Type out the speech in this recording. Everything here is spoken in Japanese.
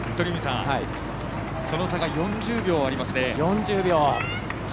その差が４０秒ありますね。